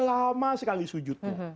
lama sekali sujudnya